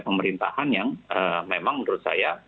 pemerintahan yang memang menurut saya